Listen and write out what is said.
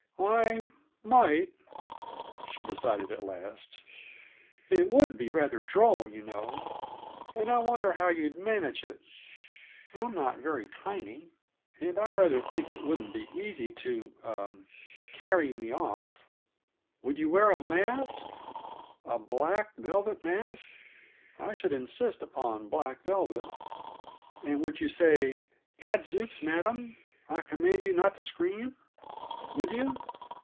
"I might," she decided at last. "It would be rather droll, you know, and I wonder how you'd manage it; I'm not very tiny, and I rather think it wouldn't be easy to er carry me off. Would you wear a mask a black velvet mask? I should insist upon black velvet. And would you say: 'Gadzooks, madam! I command you not to scream!' Would you?"